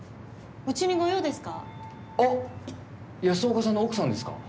あっ安岡さんの奥さんですか？